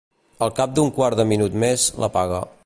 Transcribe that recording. Al cap d'un quart de minut més, l'apaga.